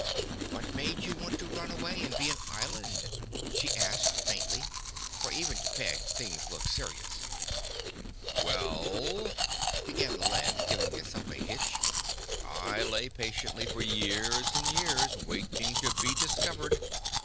"What made you want to run away and be an island?" she asked faintly for, even to Peg, things looked serious. "Well," began the Land, giving itself a hitch, "I lay patiently for years and years waiting to be discovered.